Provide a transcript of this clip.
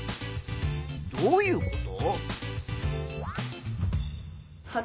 どういうこと？